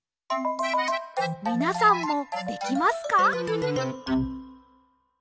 みなさんもできますか？